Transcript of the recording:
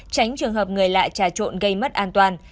tránh trường hợp người lạ trà trộn gây mất an toàn